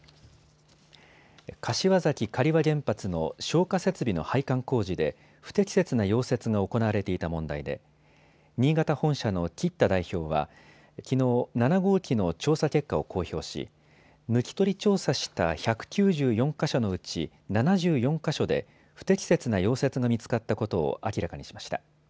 柏崎刈羽原発の消火設備の配管工事で不適切な溶接が行われていた問題で新潟本社の橘田代表はきのう７号機の調査結果を公表し、抜き取り調査した１９４か所のうち７４か所で不適切な溶接が見つかったことを明らかにしました。